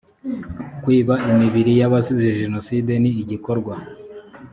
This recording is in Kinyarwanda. kwiba imibiri y abazize jenoside ni igikorwa